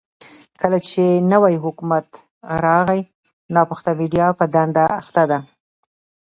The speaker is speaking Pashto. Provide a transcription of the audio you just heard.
کله چې نوی حکومت راغلی، ناپخته میډيا په دنده اخته ده.